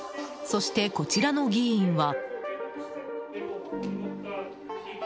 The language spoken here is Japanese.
そして、こちらの議員は。